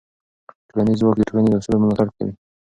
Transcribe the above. ټولنیز ځواک د ټولنې د اصولو ملاتړ کوي.